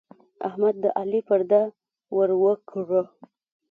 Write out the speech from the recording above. احمد د علي پرده ور وکړه.